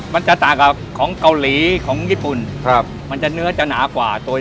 มันกลุ่มเนื้อจะหนากว่า